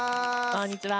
こんにちは。